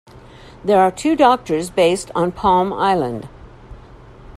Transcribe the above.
There are two doctors based on Palm Island.